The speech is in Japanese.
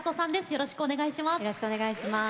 よろしくお願いします。